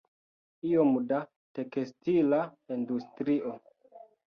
Iom da tekstila industrio.